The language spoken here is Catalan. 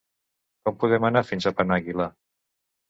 Com podem anar fins a Penàguila?